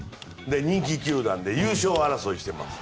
人気球団で優勝争いしています。